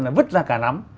là vứt ra cả nắm